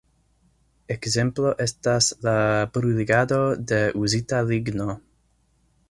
Ekzemplo estas la bruligado de uzita ligno.